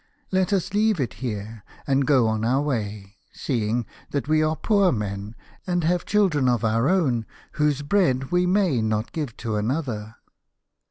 Let us leave it here, and go our way, seeing that we are poor men, and have children of our own whose bread we may not give to another."